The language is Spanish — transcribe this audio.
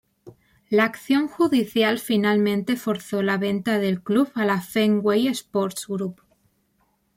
La acción judicial finalmente forzó la venta del club a la Fenway Sports Group.